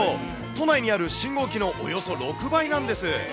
都内にある信号機のおよそ６倍なんです。